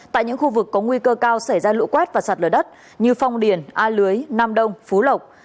tại những khu vực có nguy cơ cao xảy ra lũ quét và sạt lở đất như phong điền a lưới nam đông phú lộc